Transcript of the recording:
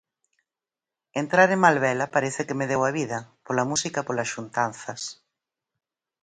Entrar en Malvela parece que me deu a vida, pola música e polas xuntanzas.